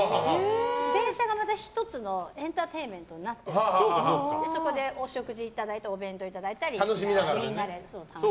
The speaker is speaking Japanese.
電車が１つのエンターテインメントになっててそこでお食事をいただいたりお弁当をいただいたりみんなで楽しむ。